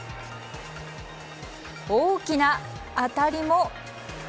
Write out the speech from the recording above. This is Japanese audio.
大きな当たりも。